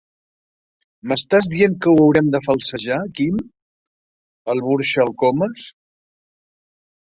M'estàs dient que ho haurem de falsejar, Quim? —el burxa el Comas.